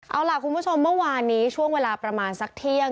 เอาล่ะคุณผู้ชมเมื่อวานนี้ช่วงเวลาประมาณสักเที่ยง